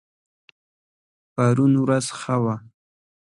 پرون ورځ ښه وه